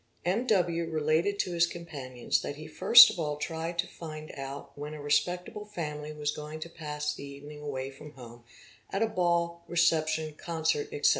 _ M.W. related to his companions that he first of all tried to find out when a respectable family was going to pass the evening away from home ut a ball, reception, concert, etc.